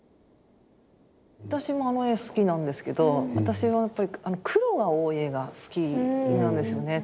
私もあの絵好きなんですけど私はやっぱり黒が多い絵が好きなんですよね。